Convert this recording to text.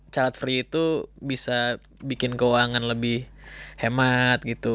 child free itu bisa bikin keuangan lebih hemat gitu